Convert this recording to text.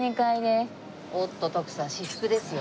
おっと徳さん「至福」ですよ。